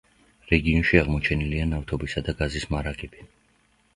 რეგიონში აღმოჩენილია ნავთობისა და გაზის მარაგები.